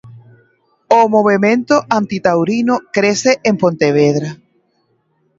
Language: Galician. O movemento antitaurino crece en Pontevedra.